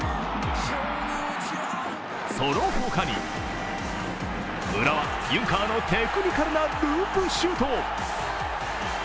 その他に、浦和・ユンカーのテクニカルなループシュート。